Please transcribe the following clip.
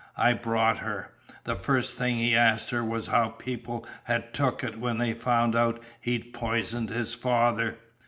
I brought her. The first thing he asked her was how people had took it when they found out he'd poisoned his father!